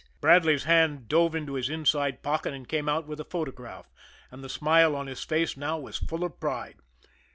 Bradley's hand dove into his inside pocket and came out with a photograph and the smile on his face now was full of pride.